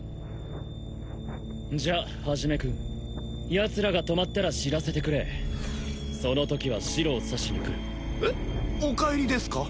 じゃ一君ヤツらが止まったら知らせてくれそのときは白を刺しに来るえっお帰りですか？